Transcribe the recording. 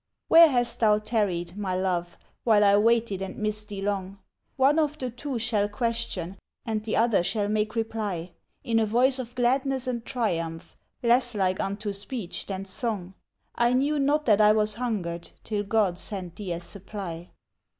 Where hast thou tarried, my Love, while I waited and missed thee long, One of the two shall question, and the other shall make reply, In a voice of gladness and triumph, less like unto speech than song, " I knew not that I was a hungered till God sent thee as supply."